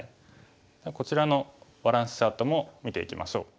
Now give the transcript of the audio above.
こちらのバランスチャートも見ていきましょう。